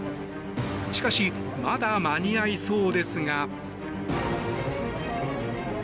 しかしまだ間に合いそうですが。